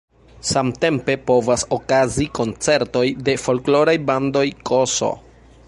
Samtempe povas okazi koncertoj de folkloraj bandoj ks.